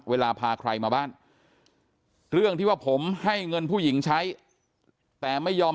เวลาพาใครมาบ้านเรื่องที่ว่าผมให้เงินผู้หญิงใช้แต่ไม่ยอม